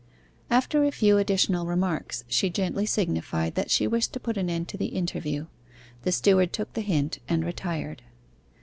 After a few additional remarks, she gently signified that she wished to put an end to the interview. The steward took the hint and retired.